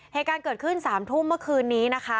เหตุการณ์เกิดขึ้น๓ทุ่มเมื่อคืนนี้นะคะ